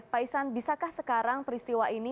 pak isan bisakah sekarang peristiwa ini